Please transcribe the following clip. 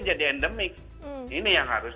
jadi endemik ini yang harus